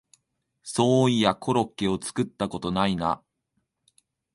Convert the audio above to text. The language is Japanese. そういやコロッケを作ったことないな